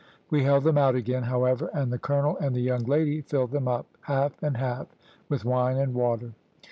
We held them out again, however, and the colonel and the young lady filled them up, half and half, with wine and water.